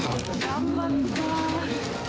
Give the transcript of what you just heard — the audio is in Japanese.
頑張ったー。